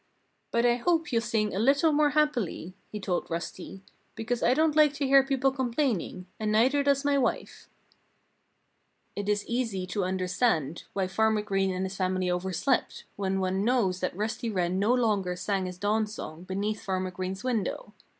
"But I hope you'll sing a little more happily," he told Rusty, "because I don't like to hear people complaining and neither does my wife." It is easy to understand why Farmer Green and his family overslept, when one knows that Rusty Wren no longer sang his dawn song beneath Farmer Green's window.